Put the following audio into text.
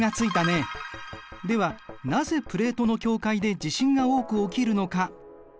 ではなぜプレートの境界で地震が多く起きるのか。